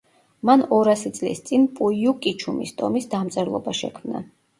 მან ორასი წლის წინ პუიუკიჩუმის ტომის დამწერლობა შექმნა.